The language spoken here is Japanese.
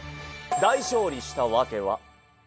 大勝利した訳は？